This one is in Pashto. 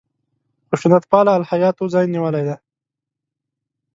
خشونت پاله الهیاتو ځای نیولی دی.